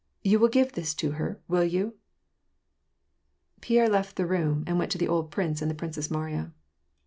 You will give this to her, will you ?" Pierre left the room, and went to the old prince and the Princess Mariya.